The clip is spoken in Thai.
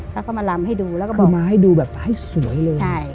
แล้วก็มาลำให้ดูคือไม้ดูแบบให้สวยเลย